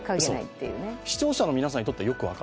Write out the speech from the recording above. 視聴者の皆さんにとってはよく分かる。